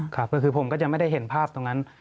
คือผมก็จะไม่ได้เห็นภาพตรงนั้น